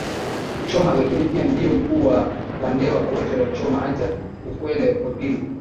Choma lakini pia ndiyo Mkuu wa Wandewa wote wa Choma hata Lukwele wa pili